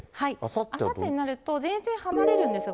あさってになると、前線が離れるんですよ。